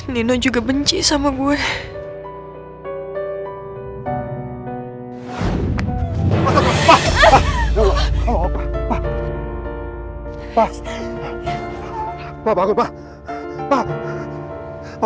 lu suka bukit ada apa